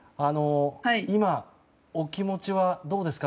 今、お気持ちはどうですか？